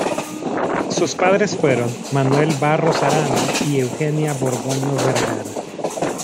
Sus padres fueron Manuel Barros Arana y Eugenia Borgoño Vergara.